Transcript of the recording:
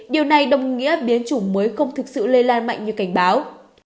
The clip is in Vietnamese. điều này đồng nghĩa biến chủng mới không thực sự lây lan mạnh như cảnh báo